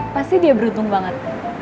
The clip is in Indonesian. pasti dia beruntung banget